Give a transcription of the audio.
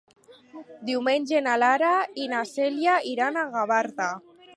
Diumenge na Lara i na Cèlia iran a Gavarda.